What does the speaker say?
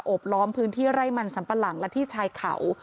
บล้อมพื้นที่ไร่มันสัมปะหลังและที่ชายเขา